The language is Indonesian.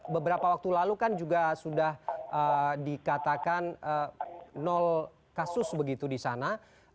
beberapa waktu lalu kan juga sudah dikatakan kasus begitu di sana